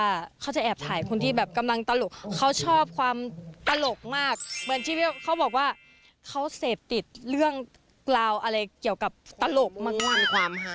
คุณก้องเวไรเขาก็อาจจะแอบถ่ายคนที่แบบกำลังตลกคุณเบลล่าเค้าชอบความตลกมากเค้าบอกว่าเค้าเสพติดเรื่องกล่าวอะไรเกี่ยวกับตลกมาก